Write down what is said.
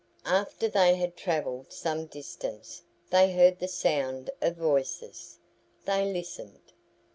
After they had travelled some distance they heard the sound of voices. They listened.